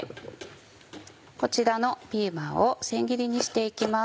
こちらのピーマンを千切りにして行きます。